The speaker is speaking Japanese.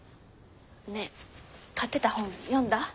ねえ買ってた本読んだ？